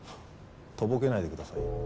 とぼけないでくださいよ。